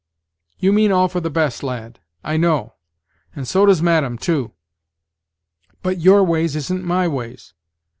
"You mean all for the best, lad, I know; and so does madam, too; but your ways isn't my ways.